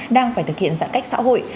đang phải thực hiện giãn cách xã hội